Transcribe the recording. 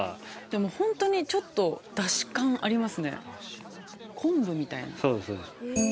でもほんとにちょっとだし感ありますね、昆布みたいな。